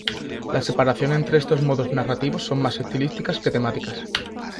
La separación entre estos modos narrativos son más estilísticas que temáticas.